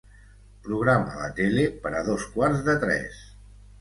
Programa la tele per a dos quarts de tres.